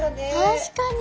確かに。